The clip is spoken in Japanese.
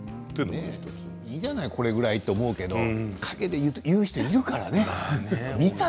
いいじゃないこれくらいと思うけれども陰で言う人がいるからね見た？